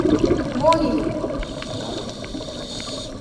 — Мо лийын? — йодым.